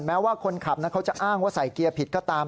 แม้ว่าคนขับเขาจะอ้างว่าใส่เกียร์ผิดก็ตาม